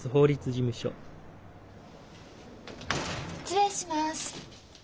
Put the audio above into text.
失礼します。